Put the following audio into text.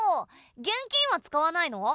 現金は使わないの？